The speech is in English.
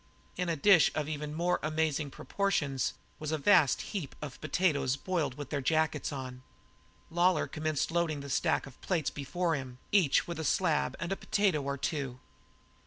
In a dish of even more amazing proportions was a vast heap of potatoes boiled with their jackets on. Lawlor commenced loading the stack of plates before him, each with a slab and a potato or two.